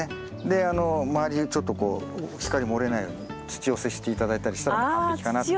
で周りをちょっとこう光漏れないように土寄せして頂いたりしたら完璧かなと。